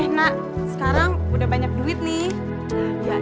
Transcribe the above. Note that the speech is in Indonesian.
eh nak sekarang udah banyak duit nih